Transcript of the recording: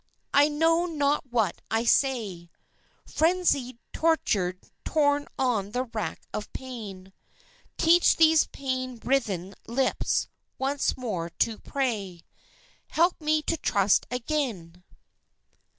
I know not what I say, Frenzied, tortured, torn on the rack of pain; Teach these pain writhen lips once more to pray Help me to trust again!